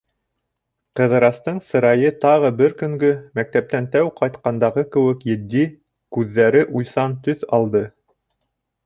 Ҡыҙырастың сырайы тағы бер көнгө, мәктәптән тәү ҡайтҡандағы кеүек етди, күҙҙәре уйсан төҫ алды.